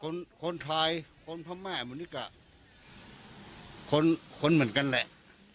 คนคนไทยคนพม่ามนิกะคนคนเหมือนกันแหละ